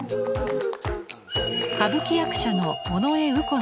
歌舞伎役者の尾上右近さん。